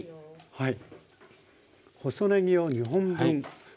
はい。